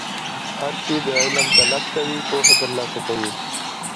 هر چي د علم طلب کوي، پوهه ترلاسه کوي.